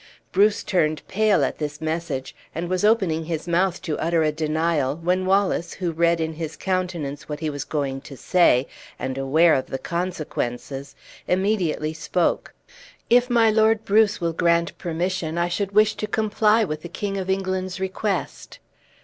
Bruce turned pale at this message; and was opening his mouth to utter a denial, when Wallace, who read in his countenance what he was going to say, and aware of the consequences, immediately spoke: "If my lord Bruce will grant permission, I should wish to comply with the King of England's request."